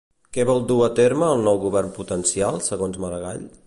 Què vol dur a terme el nou govern potencial, segons Maragall?